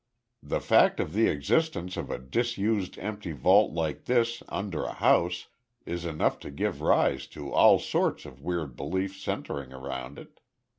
"The fact of the existence of a disused empty vault like this under a house is enough to give rise to all sorts of weird beliefs centring round it.